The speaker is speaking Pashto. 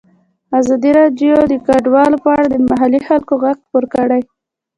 ازادي راډیو د کډوال په اړه د محلي خلکو غږ خپور کړی.